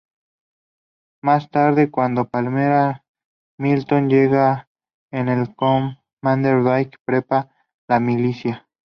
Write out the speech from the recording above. Más tarde, cuando Pamela Milton llega con el Commonwealth, Dwight prepara la Milicia.